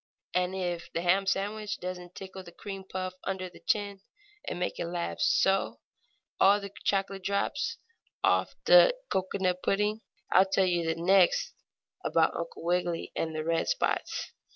And if the ham sandwich doesn't tickle the cream puff under the chin and make it laugh so all the chocolate drops off the cocoanut pudding, I'll tell you next about Uncle Wiggily and the red spots.